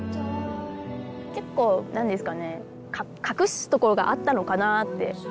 結構何ですかね隠すところがあったのかなって。